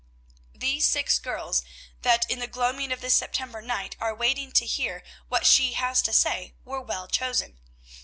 These six girls that in the gloaming of this September night are waiting to hear what she has to say were well chosen.